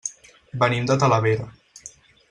Venim de Talavera.